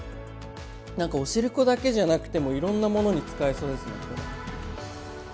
何かおしるこだけじゃなくてもいろんなものに使えそうですねこれ。